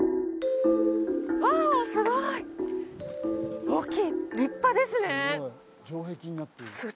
うわっすごい大きい立派ですね